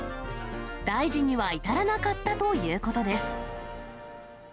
大事には至らなかったということです。